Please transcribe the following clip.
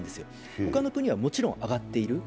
他の国はもちろん上がっている。